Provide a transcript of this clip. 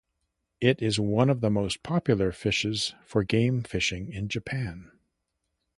It is one of the most popular fishes for game fishing in Japan.